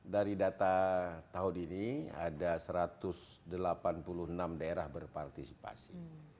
dari data tahun ini ada satu ratus delapan puluh enam daerah berpartisipasi